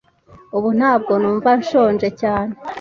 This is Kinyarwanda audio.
Ubu ntabwo numva nshonje cyane.